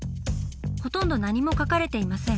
ほとんど何も描かれていません。